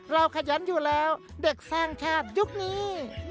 ขยันอยู่แล้วเด็กสร้างชาติยุคนี้